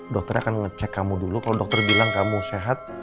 dokternya akan ngecek kamu dulu kalau dokter bilang kamu sehat